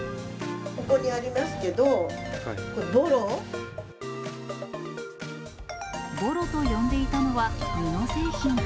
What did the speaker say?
ここにありますけど、これ、ボロと呼んでいたのは布製品。